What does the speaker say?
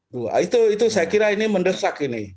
dua itu saya kira ini mendesak ini